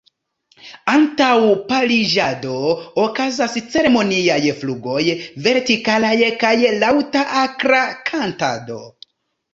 Antaŭ pariĝado okazas ceremoniaj flugoj vertikalaj kaj laŭta akra kantado.